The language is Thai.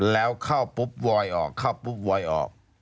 แล้วเข้าปุ๊บวอยออกเข้าปุ๊บวอยออก